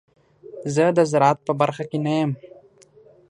زه د زراعت په برخه کې نه یم.